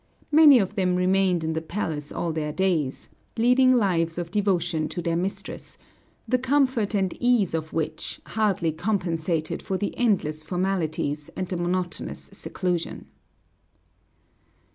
Many of them remained in the palace all their days, leading lives of devotion to their mistress; the comfort and ease of which hardly compensated for the endless formalities and the monotonous seclusion.